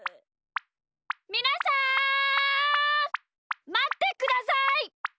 みなさんまってください！